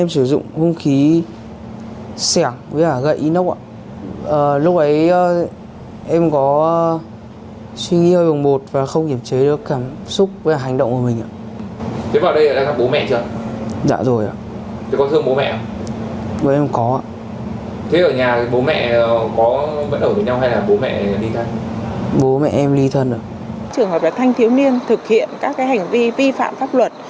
trường hợp và thanh thiếu niên thực hiện các hành vi vi phạm pháp luật